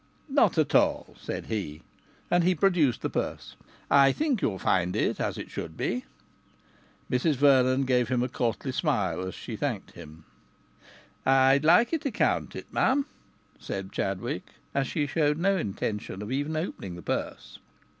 "Not at all," said he; and he produced the purse. "I think you'll find it as it should be." Mrs Vernon gave him a courtly smile as she thanked him. "I'd like ye to count it, ma'am," said Chadwick, as she showed no intention of even opening the purse.